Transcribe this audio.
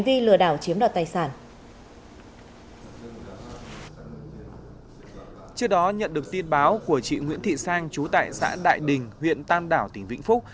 trước đó nhận được tin báo của chị nguyễn thị sang chú tại xã đại đình huyện tam đảo tỉnh vĩnh phúc